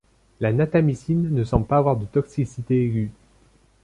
La natamycine ne semble pas avoir de toxicité aiguë.